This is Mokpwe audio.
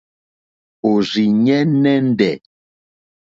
Òrzìɲɛ́ nɛ́ndɛ̀.